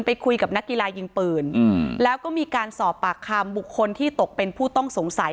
ไปคุยกับนักกีฬายิงปืนแล้วก็มีการสอบปากคำบุคคลที่ตกเป็นผู้ต้องสงสัย